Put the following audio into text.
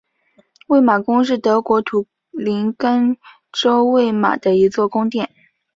魏玛宫是德国图林根州魏玛的一座宫殿。